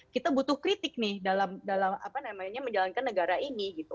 kita butuh kritik nih dalam menjalankan negara ini gitu